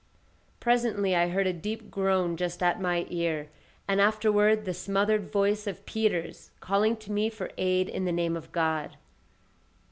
Presently I heard a deep groan just at my ear, and afterward the smothered voice of Peters calling to me for aid in the name of God.